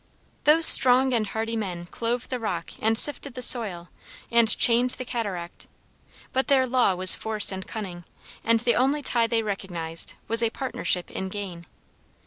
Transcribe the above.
Those strong and hardy men clove the rock and sifted the soil, and chained the cataract, but their law was force and cunning, and the only tie they recognized was a partnership in gain.